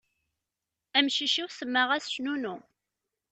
Amcic-iw semmaɣ-as cnunnu.